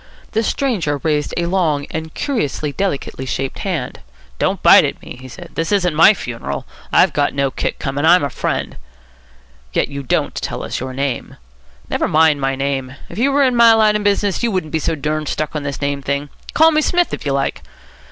The stranger raised a long and curiously delicately shaped hand. "Don't bite at me," he said. "This isn't my funeral. I've no kick coming. I'm a friend." "Yet you don't tell us your name." "Never mind my name. If you were in my line of business, you wouldn't be so durned stuck on this name thing. Call me Smith, if you like."